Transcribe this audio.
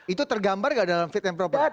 itu tergambar nggak dalam fit and properti